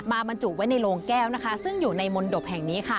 บรรจุไว้ในโรงแก้วนะคะซึ่งอยู่ในมนตบแห่งนี้ค่ะ